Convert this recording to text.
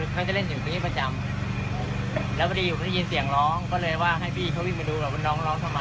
ฝากคืออยากฝากดูอยากดูรูปดีครับผม